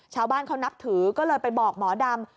ชาวบ้านเขานับถือก็เลยไปบอกหมอดำ